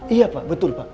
iya pak betul pak